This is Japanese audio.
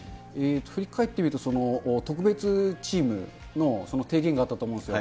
振り返ってみると、特別チームの提言があったと思うんですよ。